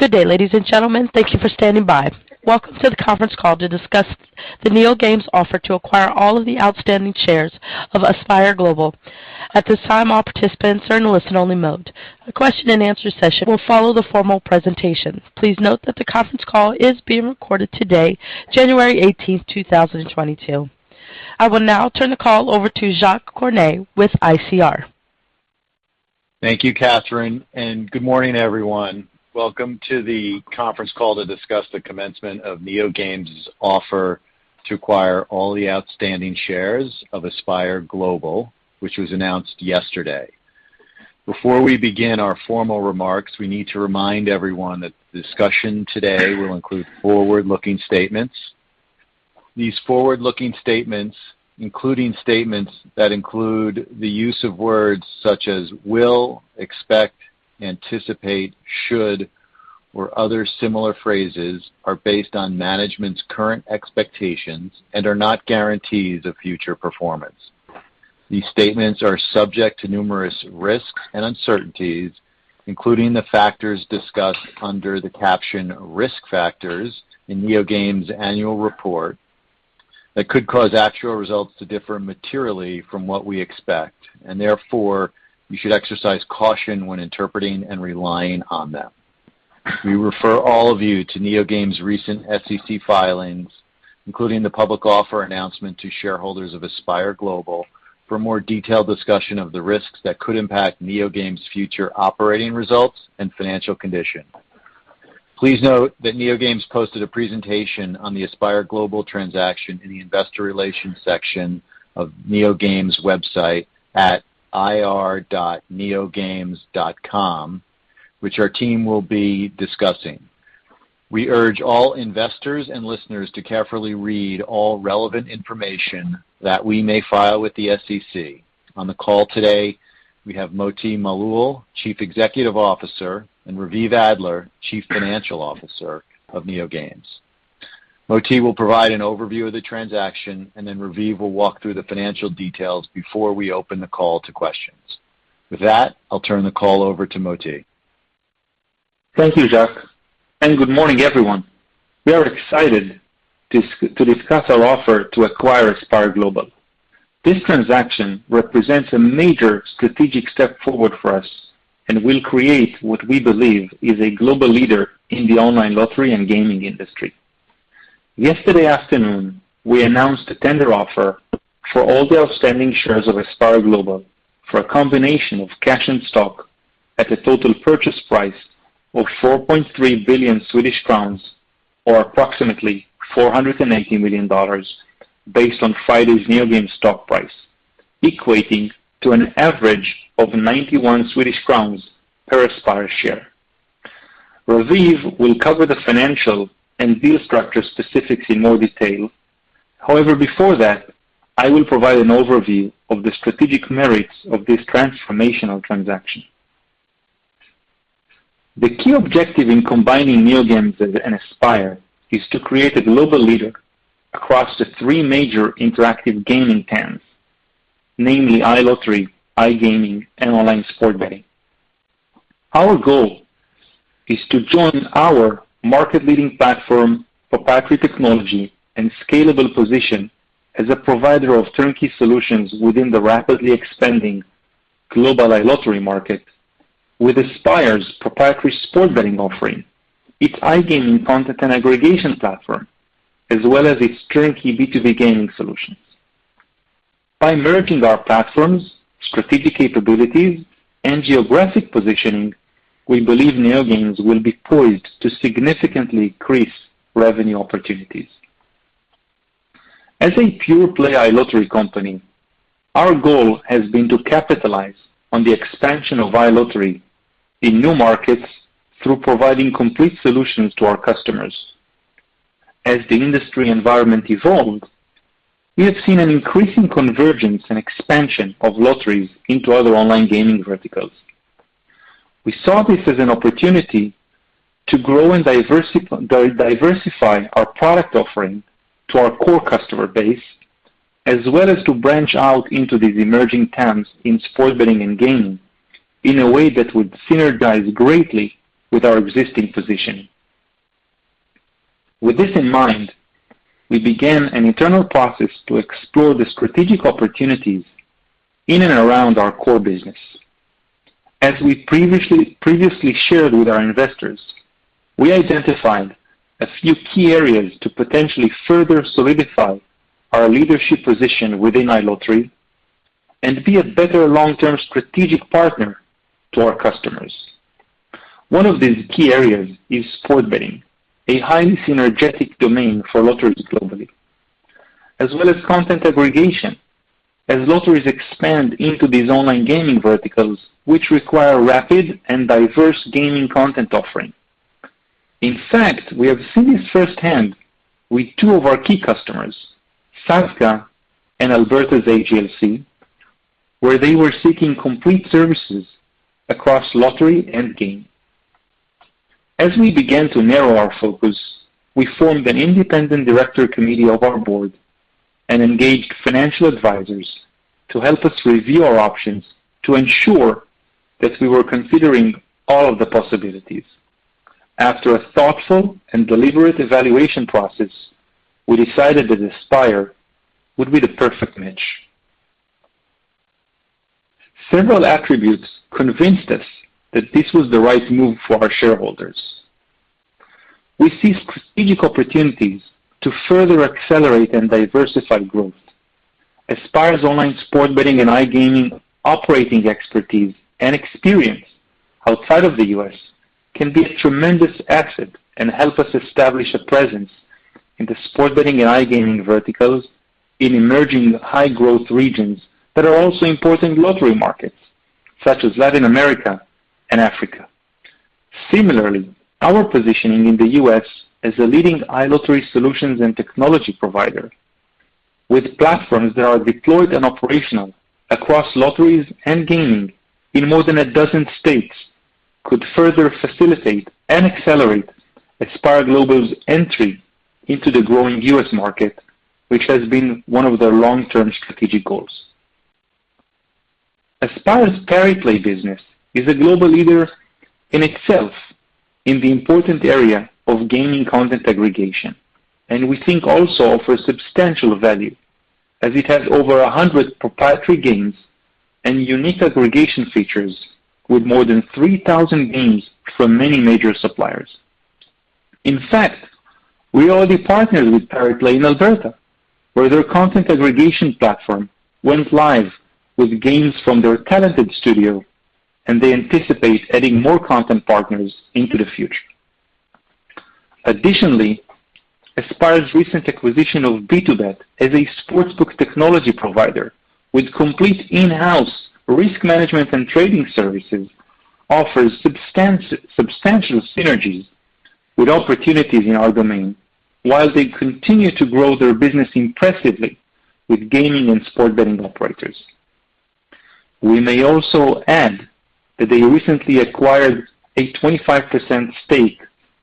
Good day, ladies and gentlemen. Thank you for standing by. Welcome to the conference call to discuss the NeoGames offer to acquire all of the outstanding shares of Aspire Global. At this time, all participants are in listen-only mode. A question and answer session will follow the formal presentation. Please note that the conference call is being recorded today, January 18th, 2022. I will now turn the call over to Jacques Cornet with ICR. Thank you, Catherine, and good morning, everyone. Welcome to the conference call to discuss the commencement of NeoGames' offer to acquire all the outstanding shares of Aspire Global, which was announced yesterday. Before we begin our formal remarks, we need to remind everyone that the discussion today will include forward-looking statements. These forward-looking statements, including statements that include the use of words such as will, expect, anticipate, should, or other similar phrases, are based on management's current expectations and are not guarantees of future performance. These statements are subject to numerous risks and uncertainties, including the factors discussed under the caption risk factors in NeoGames' annual report, that could cause actual results to differ materially from what we expect, and therefore, you should exercise caution when interpreting and relying on them. We refer all of you to NeoGames' recent SEC filings, including the public offer announcement to shareholders of Aspire Global for more detailed discussion of the risks that could impact NeoGames' future operating results and financial condition. Please note that NeoGames posted a presentation on the Aspire Global transaction in the investor relations section of NeoGames' website at ir.neogames.com, which our team will be discussing. We urge all investors and listeners to carefully read all relevant information that we may file with the SEC. On the call today, we have Moti Malul, Chief Executive Officer, and Raviv Adler, Chief Financial Officer of NeoGames. Moti will provide an overview of the transaction, and then Raviv will walk through the financial details before we open the call to questions. With that, I'll turn the call over to Moti. Thank you, Jacques, and good morning, everyone. We are excited to discuss our offer to acquire Aspire Global. This transaction represents a major strategic step forward for us and will create what we believe is a global leader in the online lottery and gaming industry. Yesterday afternoon, we announced a tender offer for all the outstanding shares of Aspire Global for a combination of cash and stock at a total purchase price of 4.3 billion Swedish crowns, or approximately $480 million, based on Friday's NeoGames stock price, equating to an average of 91 Swedish crowns per Aspire share. Raviv will cover the financial and deal structure specifics in more detail. However, before that, I will provide an overview of the strategic merits of this transformational transaction. The key objective in combining NeoGames and Aspire is to create a global leader across the three major interactive gaming TAMS, namely iLottery, iGaming, and online sport betting. Our goal is to join our market-leading platform, proprietary technology, and scalable position as a provider of turnkey solutions within the rapidly expanding global iLottery market with Aspire's proprietary sport betting offering, its iGaming content and aggregation platform, as well as its turnkey B2B gaming solutions. By merging our platforms, strategic capabilities, and geographic positioning, we believe NeoGames will be poised to significantly increase revenue opportunities. As a pure play iLottery company, our goal has been to capitalize on the expansion of iLottery in new markets through providing complete solutions to our customers. As the industry environment evolved, we have seen an increasing convergence and expansion of lotteries into other online gaming verticals. We saw this as an opportunity to grow and diversify our product offering to our core customer base, as well as to branch out into these emerging TAMS in sports betting and gaming in a way that would synergize greatly with our existing positioning. With this in mind, we began an internal process to explore the strategic opportunities in and around our core business. As we previously shared with our investors, we identified a few key areas to potentially further solidify our leadership position within iLottery and be a better long-term strategic partner to our customers. One of these key areas is sports betting, a highly synergetic domain for lotteries globally, as well as content aggregation as lotteries expand into these online gaming verticals, which require rapid and diverse gaming content offering. In fact, we have seen this firsthand with two of our key customers, Sazka and Alberta's AGLC, where they were seeking complete services across lottery and gaming. As we began to narrow our focus, we formed an independent director committee of our board and engaged financial advisors to help us review our options to ensure that we were considering all of the possibilities. After a thoughtful and deliberate evaluation process, we decided that Aspire would be the perfect match. Several attributes convinced us that this was the right move for our shareholders. We see strategic opportunities to further accelerate and diversify growth. Aspire's online sports betting and iGaming operating expertise and experience outside of the U.S. can be a tremendous asset and help us establish a presence in the sports betting and iGaming verticals in emerging high-growth regions that are also important lottery markets, such as Latin America and Africa. Similarly, our positioning in the U.S. as a leading iLottery solutions and technology provider with platforms that are deployed and operational across lotteries and gaming in more than 12 states, could further facilitate and accelerate Aspire Global's entry into the growing U.S. market, which has been one of their long-term strategic goals. Aspire's Pariplay business is a global leader in itself in the important area of gaming content aggregation, and we think also offers substantial value as it has over 100 proprietary games and unique aggregation features with more than 3,000 games from many major suppliers. In fact, we already partnered with Pariplay in Alberta, where their content aggregation platform went live with games from their talented studio, and they anticipate adding more content partners into the future. Additionally, Aspire's recent acquisition of BtoBet as a sportsbook technology provider with complete in-house risk management and trading services offers substantial synergies with opportunities in our domain while they continue to grow their business impressively with gaming and sports betting operators. We may also add that they recently acquired a 25% stake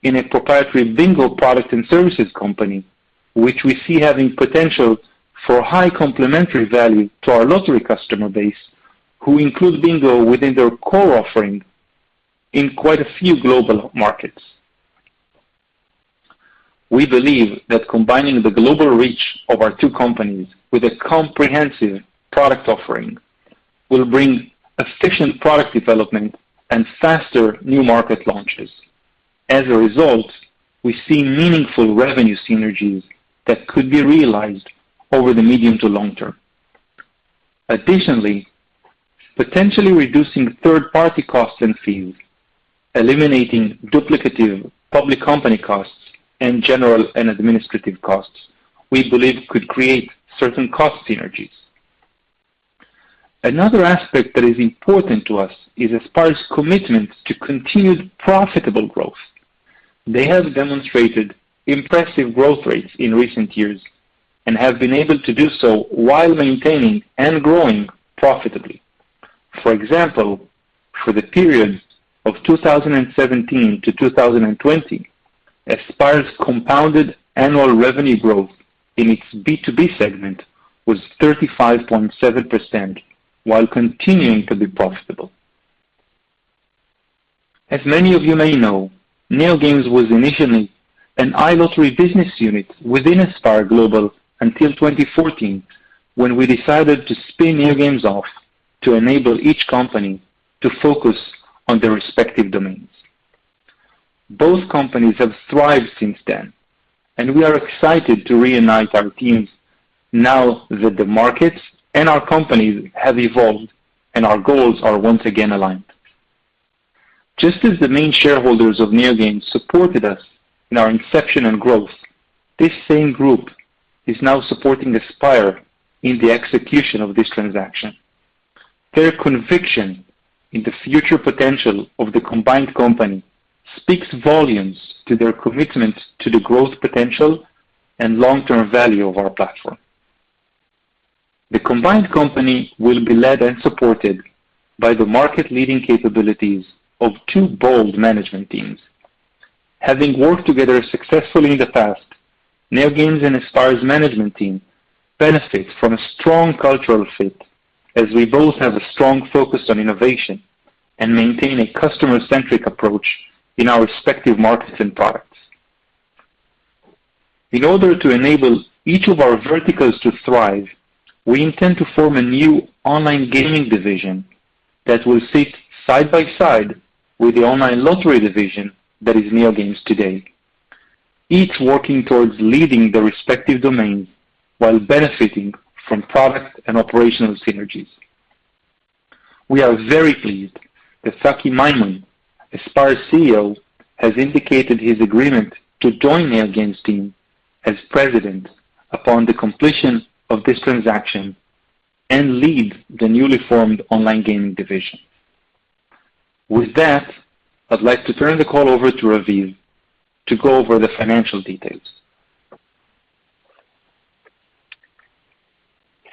in a proprietary bingo product and services company, which we see having potential for high complementary value to our lottery customer base, who include bingo within their core offering in quite a few global markets. We believe that combining the global reach of our two companies with a comprehensive product offering will bring efficient product development and faster new market launches. As a result, we see meaningful revenue synergies that could be realized over the medium to long term. Additionally, potentially reducing third-party costs and fees, eliminating duplicative public company costs and general and administrative costs, we believe could create certain cost synergies. Another aspect that is important to us is Aspire's commitment to continued profitable growth. They have demonstrated impressive growth rates in recent years and have been able to do so while maintaining and growing profitably. For example, for the period of 2017 to 2020, Aspire's compounded annual revenue growth in its B2B segment was 35.7% while continuing to be profitable. As many of you may know, NeoGames was initially an iLottery business unit within Aspire Global until 2014, when we decided to spin NeoGames off to enable each company to focus on their respective domains. Both companies have thrived since then, and we are excited to reunite our teams now that the markets and our companies have evolved and our goals are once again aligned. Just as the main shareholders of NeoGames supported us in our inception and growth, this same group is now supporting Aspire in the execution of this transaction. Their conviction in the future potential of the combined company speaks volumes to their commitment to the growth potential and long-term value of our platform. The combined company will be led and supported by the market-leading capabilities of two bold management teams. Having worked together successfully in the past, NeoGames and Aspire's management team benefits from a strong cultural fit, as we both have a strong focus on innovation and maintain a customer-centric approach in our respective markets and products. In order to enable each of our verticals to thrive, we intend to form a new online gaming division that will sit side by side with the online lottery division that is NeoGames today, each working towards leading their respective domains while benefiting from product and operational synergies. We are very pleased that Tsachi Maimon, Aspire's CEO, has indicated his agreement to join NeoGames' team as president upon the completion of this transaction and lead the newly formed online gaming division. With that, I'd like to turn the call over to Raviv to go over the financial details.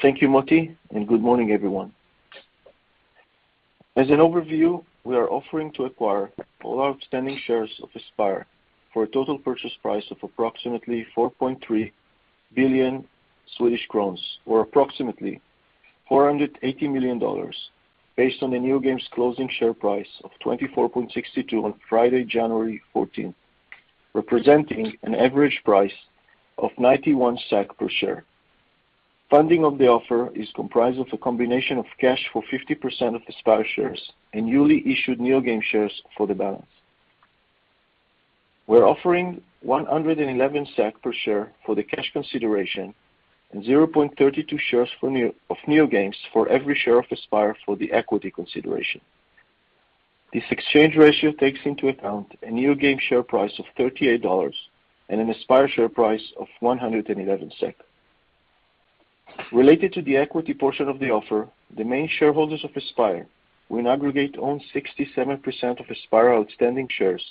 Thank you, Moti, and good morning, everyone. As an overview, we are offering to acquire all outstanding shares of Aspire for a total purchase price of approximately 4.3 billion Swedish crowns, or approximately $480 million based on the NeoGames closing share price of $24.62 on Friday, January 14, representing an average price of 91 SEK per share. Funding of the offer is comprised of a combination of cash for 50% of Aspire shares and newly issued NeoGames shares for the balance. We're offering 111 SEK per share for the cash consideration and 0.32 shares of NeoGames for every share of Aspire for the equity consideration. This exchange ratio takes into account a NeoGames share price of $38 and an Aspire share price of 111 SEK. Related to the equity portion of the offer, the main shareholders of Aspire will in aggregate own 67% of Aspire outstanding shares,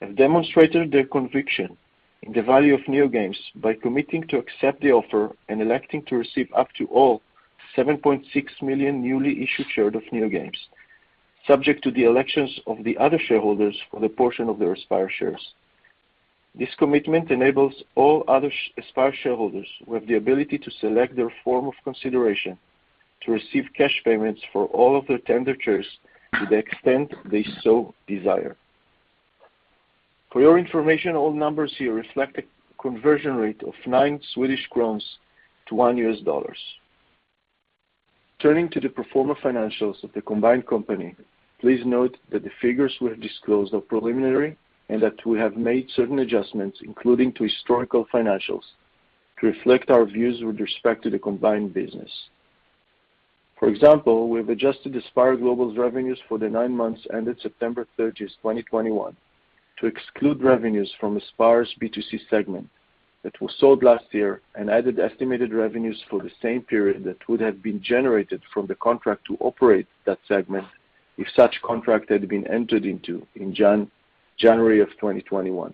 have demonstrated their conviction in the value of NeoGames by committing to accept the offer and electing to receive up to all 7.6 million newly issued shares of NeoGames, subject to the elections of the other shareholders for the portion of their Aspire shares. This commitment enables all other Aspire shareholders with the ability to select their form of consideration to receive cash payments for all of their tender shares to the extent they so desire. For your information, all numbers here reflect a conversion rate of 9 Swedish crowns to $1 dollar. Turning to the pro forma financials of the combined company, please note that the figures we have disclosed are preliminary and that we have made certain adjustments, including to historical financials, to reflect our views with respect to the combined business. For example, we have adjusted Aspire Global's revenues for the nine months ended September 30, 2021 to exclude revenues from Aspire's B2C segment that was sold last year and added estimated revenues for the same period that would have been generated from the contract to operate that segment if such contract had been entered into in January of 2021.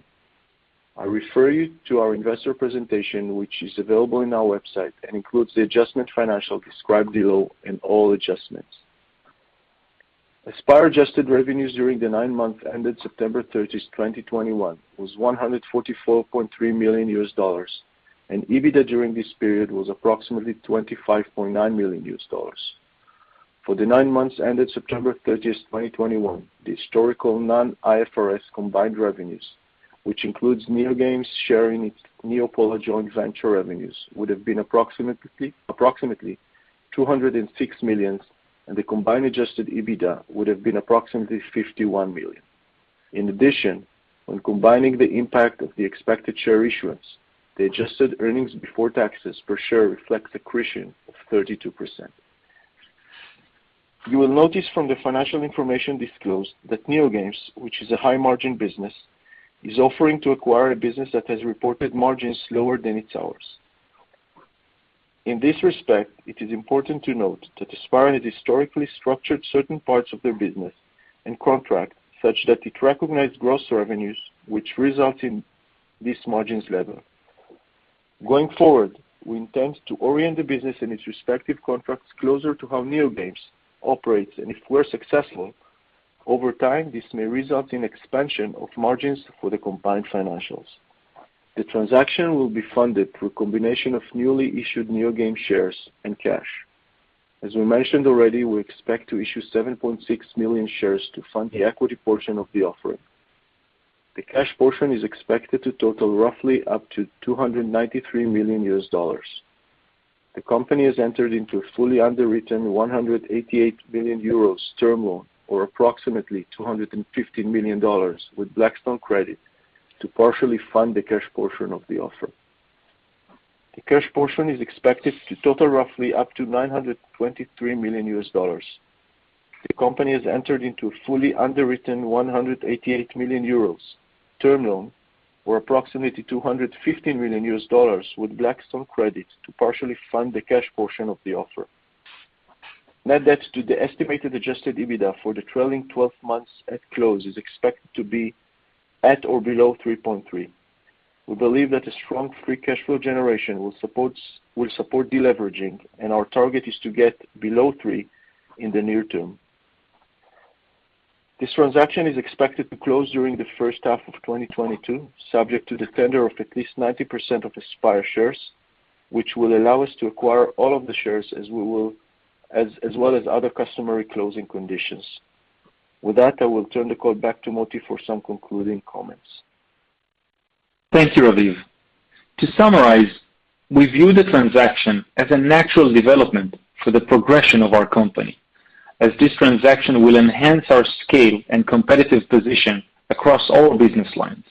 I refer you to our investor presentation, which is available on our website and includes the adjusted financials described below and all adjustments. Aspire adjusted revenues during the nine months ended September 30, 2021 was $144.3 million, and EBITDA during this period was approximately $25.9 million. For the nine months ended September 30, 2021, the historical non-IFRS combined revenues, which includes NeoGames sharing its NeoPollard joint venture revenues, would have been approximately $206 million, and the combined adjusted EBITDA would have been approximately $51 million. In addition, when combining the impact of the expected share issuance, the adjusted earnings before taxes per share reflects accretion of 32%. You will notice from the financial information disclosed that NeoGames, which is a high-margin business, is offering to acquire a business that has reported margins lower than its own. In this respect, it is important to note that Aspire had historically structured certain parts of their business and contract such that it recognized gross revenues, which result in this margins level. Going forward, we intend to orient the business in its respective contracts closer to how NeoGames operates. If we're successful, over time, this may result in expansion of margins for the combined financials. The transaction will be funded through a combination of newly issued NeoGames shares and cash. As we mentioned already, we expect to issue 7.6 million shares to fund the equity portion of the offering. The cash portion is expected to total roughly up to $293 million. The company has entered into a fully underwritten 188 million euros term loan, or approximately $250 million with Blackstone Credit to partially fund the cash portion of the offer. The cash portion is expected to total roughly up to $923 million. Net debt to the estimated adjusted EBITDA for the trailing twelve months at close is expected to be at or below 3.3. We believe that a strong free cash flow generation will support deleveraging, and our target is to get below three in the near term. This transaction is expected to close during the first half of 2022, subject to the tender of at least 90% of Aspire shares, which will allow us to acquire all of the shares as well as other customary closing conditions. With that, I will turn the call back to Moti for some concluding comments. Thank you, Raviv. To summarize, we view the transaction as a natural development for the progression of our company, as this transaction will enhance our scale and competitive position across all business lines.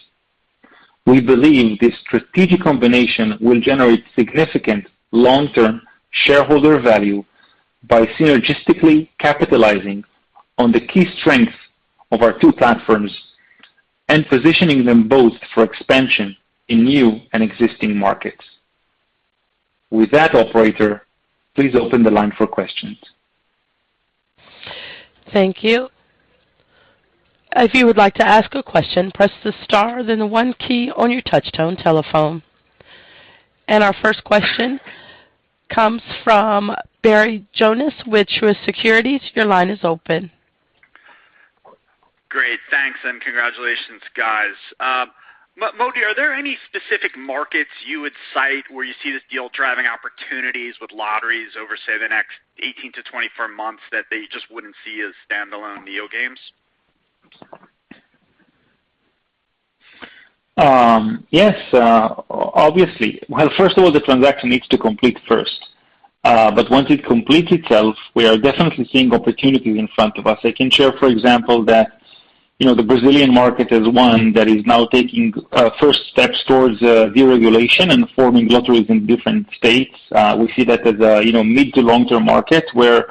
We believe this strategic combination will generate significant long-term shareholder value by synergistically capitalizing on the key strengths of our two platforms and positioning them both for expansion in new and existing markets. With that, operator, please open the line for questions. Thank you. If you would like to ask a question press the star then one key on your touch tone telephone. Our first question comes from Barry Jonas with Truist Securities. Your line is open. Great. Thanks, and congratulations, guys. Moti, are there any specific markets you would cite where you see this deal driving opportunities with lotteries over, say, the next 18-24 months that they just wouldn't see as standalone NeoGames? Yes, obviously. Well, first of all, the transaction needs to complete first. But once it completes itself, we are definitely seeing opportunities in front of us. I can share, for example, that, you know, the Brazilian market is one that is now taking first steps towards deregulation and forming lotteries in different states. We see that as a, you know, mid- to long-term market, where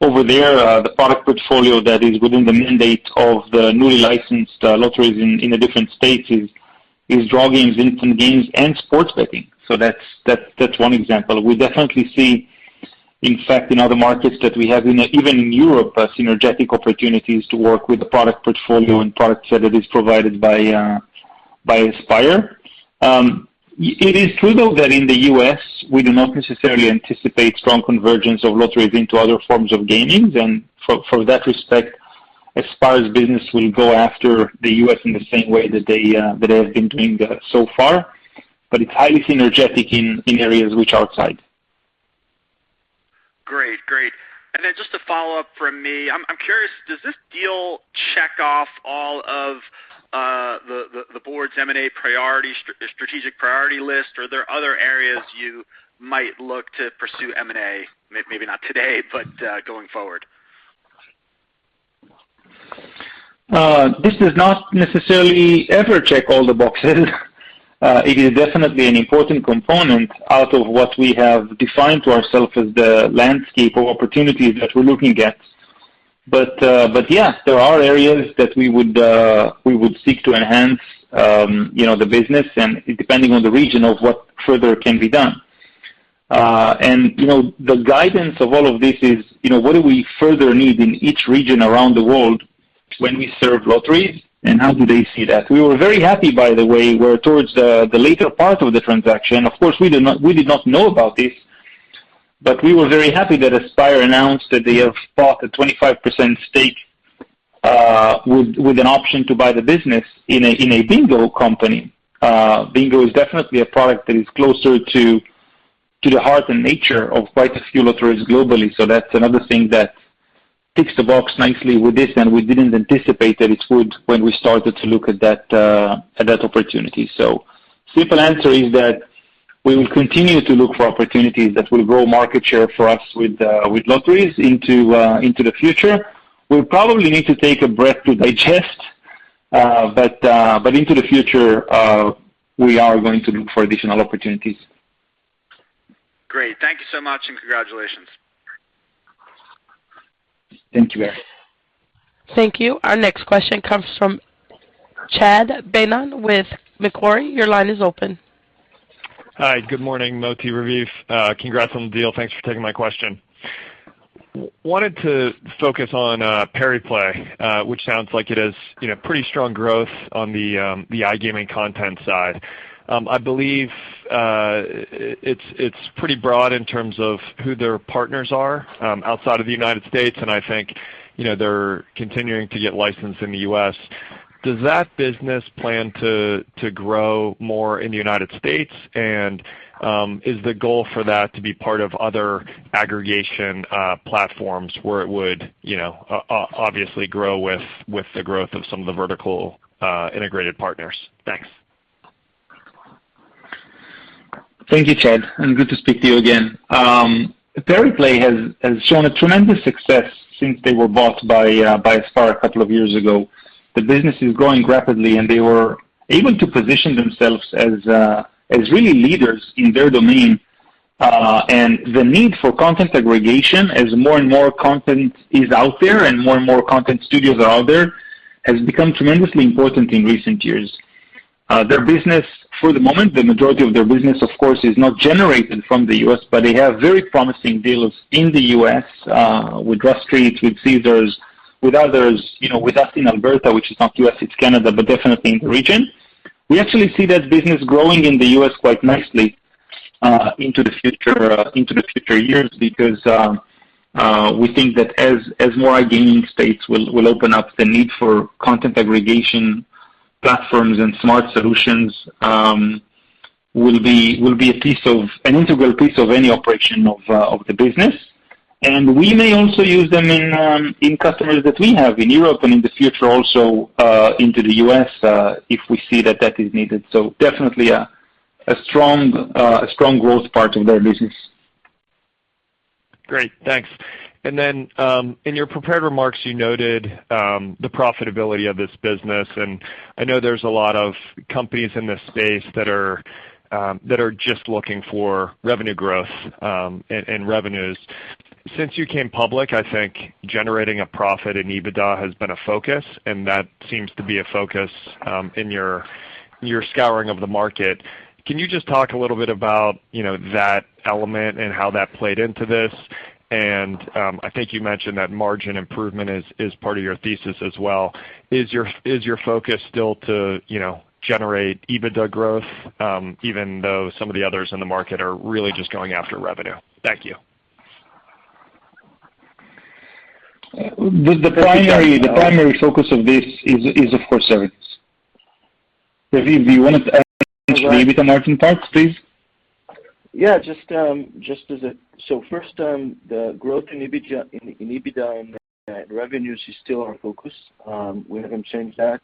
over there the product portfolio that is within the mandate of the newly licensed lotteries in the different states is draw games, instant games and sports betting. So that's one example. We definitely see, in fact, in other markets that we have in even in Europe, synergistic opportunities to work with the product portfolio and products that it is provided by Aspire. It is true, though, that in the U.S., we do not necessarily anticipate strong convergence of lotteries into other forms of gaming. From that respect, Aspire's business will go after the U.S. in the same way that they have been doing so far. It's highly synergetic in areas which are outside. Great. Just a follow-up from me. I'm curious, does this deal check off all of the board's M&A strategic priority list, or are there other areas you might look to pursue M&A, maybe not today, but going forward? This does not necessarily ever check all the boxes. It is definitely an important component out of what we have defined to ourselves as the landscape of opportunities that we're looking at. Yeah, there are areas that we would seek to enhance, you know, the business and depending on the region of what further can be done. You know, the guidance of all of this is, you know, what do we further need in each region around the world when we serve lotteries and how do they see that? We were very happy, by the way, towards the later part of the transaction. Of course, we did not know about this, but we were very happy that Aspire announced that they have bought a 25% stake with an option to buy the business in a bingo company. Bingo is definitely a product that is closer to the heart and nature of quite a few lotteries globally. That's another thing that ticks the box nicely with this, and we didn't anticipate that it would when we started to look at that opportunity. Simple answer is that we will continue to look for opportunities that will grow market share for us with lotteries into the future. We'll probably need to take a breath to digest, but into the future, we are going to look for additional opportunities. Great. Thank you so much, and congratulations. Thank you, Barry. Thank you. Our next question comes from Chad Beynon with Macquarie. Your line is open. Hi, good morning, Moti, Raviv. Congrats on the deal. Thanks for taking my question. Wanted to focus on Pariplay, which sounds like it has, you know, pretty strong growth on the iGaming content side. I believe it's pretty broad in terms of who their partners are outside of the United States, and I think, you know, they're continuing to get licensed in the U.S. Does that business plan to grow more in the United States? Is the goal for that to be part of other aggregation platforms where it would, you know, obviously grow with the growth of some of the vertical integrated partners? Thanks. Thank you, Chad, and good to speak to you again. Pariplay has shown a tremendous success since they were bought by Aspire a couple of years ago. The business is growing rapidly, and they were able to position themselves as really leaders in their domain. The need for content aggregation, as more and more content is out there and more and more content studios are out there, has become tremendously important in recent years. Their business for the moment, the majority of their business, of course, is not generated from the U.S., but they have very promising deals in the U.S., with Rush Street, with Caesars, with others, you know, with us in Alberta, which is not U.S., it's Canada, but definitely in the region. We actually see that business growing in the U.S. quite nicely into the future years because we think that as more iGaming states will open up, the need for content aggregation platforms and smart solutions will be an integral piece of any operation of the business. We may also use them with customers that we have in Europe and in the future also into the U.S. if we see that is needed. Definitely a strong growth part of their business. Great. Thanks. In your prepared remarks, you noted the profitability of this business, and I know there's a lot of companies in this space that are just looking for revenue growth and revenues. Since you came public, I think generating a profit and EBITDA has been a focus, and that seems to be a focus in your scouring of the market. Can you just talk a little bit about, you know, that element and how that played into this? I think you mentioned that margin improvement is part of your thesis as well. Is your focus still to, you know, generate EBITDA growth even though some of the others in the market are really just going after revenue? Thank you. The primary focus of this is of course service. Raviv, do you want to add parts, please? First, the growth in EBITDA and revenues is still our focus. We haven't changed that,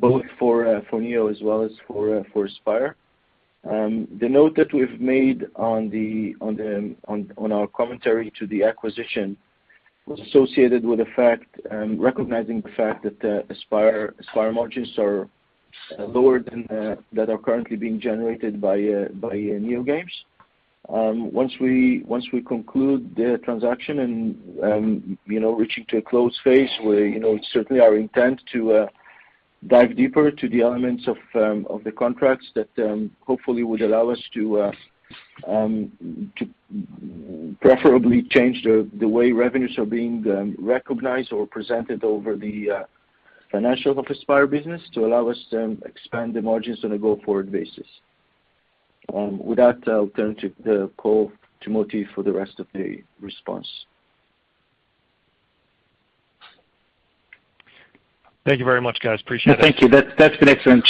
both for NeoGames as well as for Aspire. The note that we've made on our commentary to the acquisition was associated with the fact, recognizing the fact that Aspire margins are lower than that are currently being generated by NeoGames. Once we conclude the transaction and reach the close phase, it's certainly our intent to dive deeper into the elements of the contracts that hopefully would allow us to preferably change the way revenues are being recognized or presented over the financials of the Aspire business to allow us to expand the margins on a go-forward basis. With that, I'll turn the call to Moti for the rest of the response. Thank you very much, guys. Appreciate it. No, thank you. That's been excellent.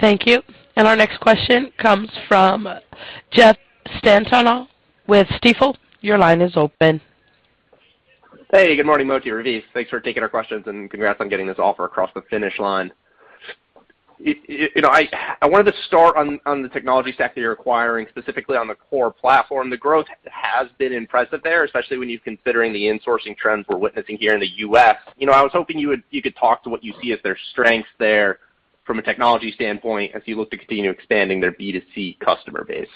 Thank you. Our next question comes from Jeff Stantial with Stifel. Your line is open. Hey, good morning, Moti, Raviv. Thanks for taking our questions, and congrats on getting this offer across the finish line. You know, I wanted to start on the technology stack that you're acquiring, specifically on the core platform. The growth has been impressive there, especially when you're considering the insourcing trends we're witnessing here in the U.S. You know, I was hoping you could talk to what you see as their strengths there from a technology standpoint as you look to continue expanding their B2C customer base.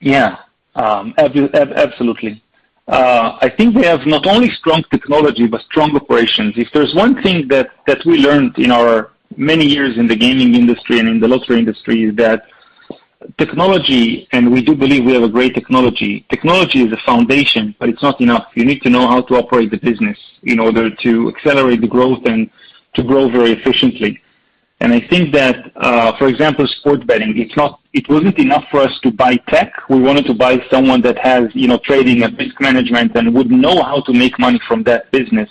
Yeah, absolutely. I think they have not only strong technology, but strong operations. If there's one thing that we learned in our many years in the gaming industry and in the lottery industry is that technology, and we do believe we have a great technology, is a foundation, but it's not enough. You need to know how to operate the business in order to accelerate the growth and to grow very efficiently. I think that, for example, sports betting, it wasn't enough for us to buy tech. We wanted to buy someone that has, you know, trading and risk management and would know how to make money from that business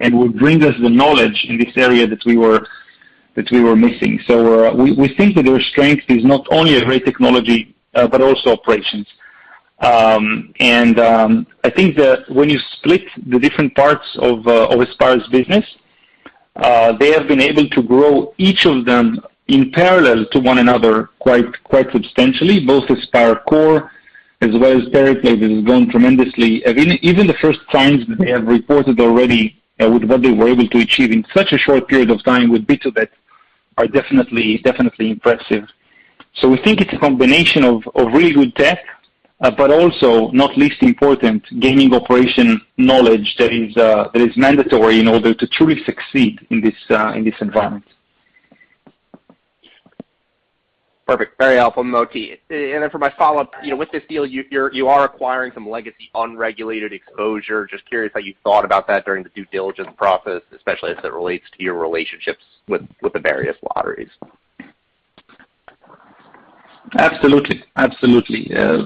and would bring us the knowledge in this area that we were missing. We think that their strength is not only a great technology, but also operations. I think that when you split the different parts of Aspire's business, they have been able to grow each of them in parallel to one another quite substantially, both Aspire Core as well as Pariplay, which is growing tremendously. Even the first clients that they have reported already with what they were able to achieve in such a short period of time with BtoBet are definitely impressive. We think it's a combination of really good tech, but also, not least important, gaming operation knowledge that is mandatory in order to truly succeed in this environment. Perfect. Very helpful, Moti. For my follow-up, you know, with this deal, you are acquiring some legacy unregulated exposure. Just curious how you thought about that during the due diligence process, especially as it relates to your relationships with the various lotteries. Absolutely.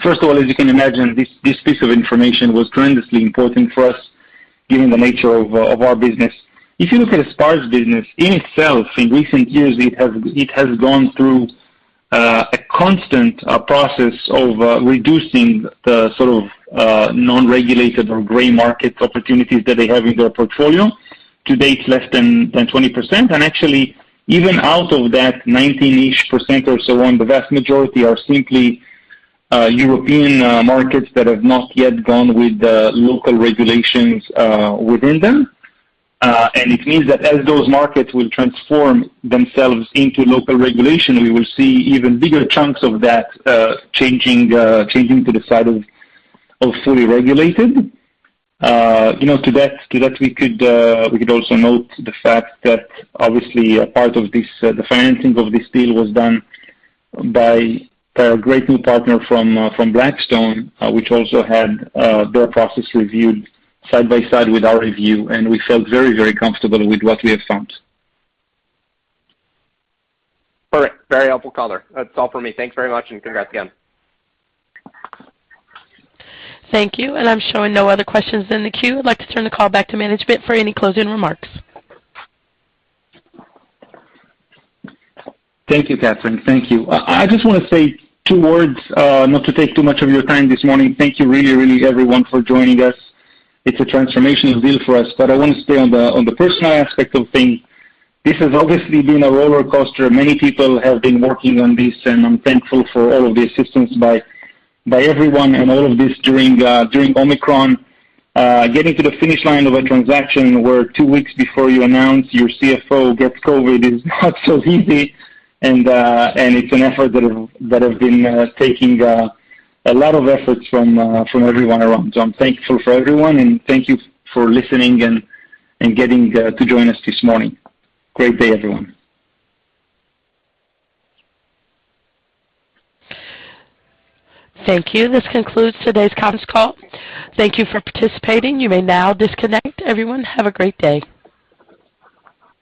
First of all, as you can imagine, this piece of information was tremendously important for us given the nature of our business. If you look at Aspire's business, in itself, in recent years, it has gone through a constant process of reducing the sort of non-regulated or gray market opportunities that they have in their portfolio. To date, less than 20%. Actually, even out of that 19%-ish or so, on the vast majority are simply European markets that have not yet gone with the local regulations within them. It means that as those markets will transform themselves into local regulation, we will see even bigger chunks of that changing to the side of fully regulated. You know, to that we could also note the fact that obviously a part of this, the financing of this deal was done by our great new partner from Blackstone, which also had their process reviewed side by side with our review, and we felt very, very comfortable with what we have found. Perfect. Very helpful color. That's all for me. Thanks very much, and congrats again. Thank you. I'm showing no other questions in the queue. I'd like to turn the call back to management for any closing remarks. Thank you, Catherine. Thank you. I just wanna say two words, not to take too much of your time this morning. Thank you really everyone for joining us. It's a transformational deal for us. I want to stay on the personal aspect of things. This has obviously been a rollercoaster. Many people have been working on this, and I'm thankful for all of the assistance by everyone and all of this during Omicron. Getting to the finish line of a transaction where two weeks before you announce your CFO gets COVID is not so easy, and it's an effort that has been taking a lot of efforts from everyone around. I'm thankful for everyone, and thank you for listening and getting to join us this morning. Great day, everyone. Thank you. This concludes today's conference call. Thank you for participating. You may now disconnect. Everyone, have a great day.